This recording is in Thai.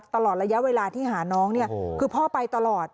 ตลอดระยะเวลาที่หาน้องเนี่ยคือพ่อไปตลอด